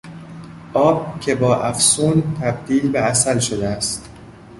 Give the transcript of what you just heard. آب که با افسون تبدیل به عسل شده است